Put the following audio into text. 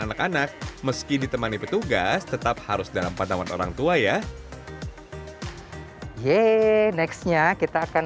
dan anak anak meski ditemani petugas tetap harus dalam pantauan orang tua ya ye nextnya kita akan